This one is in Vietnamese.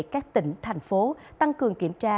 của tỉnh thành phố tăng cường kiểm tra